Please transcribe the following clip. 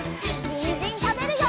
にんじんたべるよ！